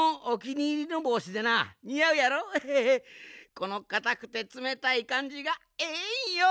このかたくてつめたいかんじがええんよ。